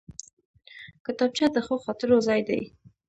کتابچه د ښو خاطرو ځای دی